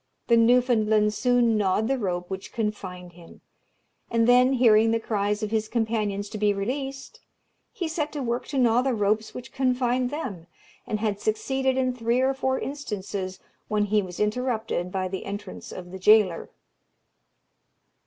The Newfoundland soon gnawed the rope which confined him, and then hearing the cries of his companions to be released, he set to work to gnaw the ropes which confined them, and had succeeded in three or four instances, when he was interrupted by the entrance of the jailor.